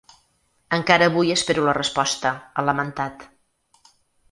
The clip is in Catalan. Encara avui espero la resposta, ha lamentat.